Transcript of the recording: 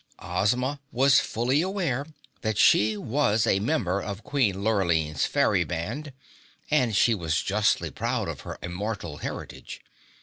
Ozma was fully aware that she was a member of Queen Lurline's fairy band, and she was justly proud of her immortal heritage.